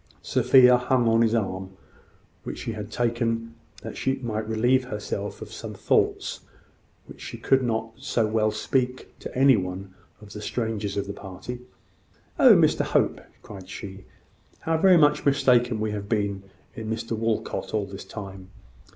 Sophia hung on his arm, which she had taken that she might relieve herself of some thoughts which she could not so well speak to any one of the strangers of the party. "Oh, Mr Hope!" cried she, "how very much mistaken we have been in Mr Walcot all this time!